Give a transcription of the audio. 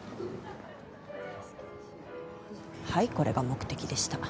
はいこれが目的でした。